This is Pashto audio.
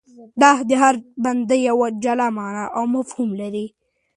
د ده هر بند یوه جلا مانا او مفهوم لري.